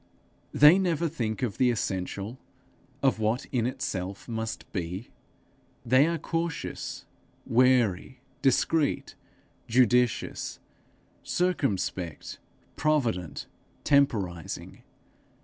They never think of the essential, of what in itself must be. They are cautious, wary, discreet, judicious, circumspect, provident, temporizing.